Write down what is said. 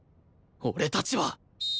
俺たちは